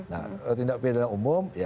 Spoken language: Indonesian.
nah tindak pidana umum